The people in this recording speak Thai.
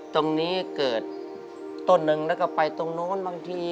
ตรงนี้เกิดต้นหนึ่งแล้วก็ไปตรงนู้นบางที